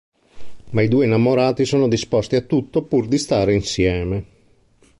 Ma i due innamorati sono disposti a tutto pur di stare insieme.